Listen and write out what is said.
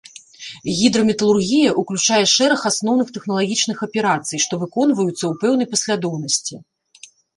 Гідраметалургія ўключае шэраг асноўных тэхналагічных аперацый, што выконваюцца ў пэўнай паслядоўнасці.